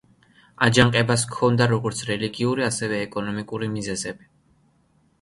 აჯანყებას ჰქონდა, როგორც რელიგიური, ასევე ეკონომიკური მიზეზები.